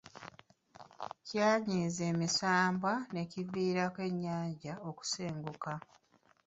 Kyanyiiza emisambwa ne kiviirako ennyanja okusenguka.